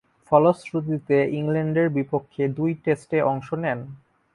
ফলশ্রুতিতে ইংল্যান্ডের বিপক্ষে দুই টেস্টে অংশ নেন।